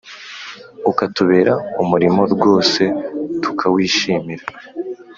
Ukatubera umurimo rwose tukawishimira